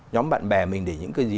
nhóm bạn bè mình để những cái gì